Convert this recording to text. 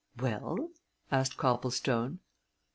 "Well?" asked Copplestone.